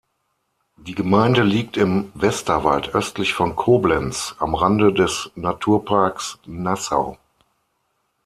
Die Gemeinde liegt im Westerwald östlich von Koblenz am Rande des Naturparks Nassau.